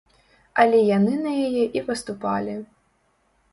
Але яны на яе і паступалі.